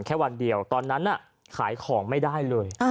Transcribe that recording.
แค่วันเดียวตอนนั้นขายของไม่ได้เลย